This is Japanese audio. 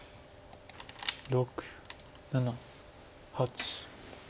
６７８。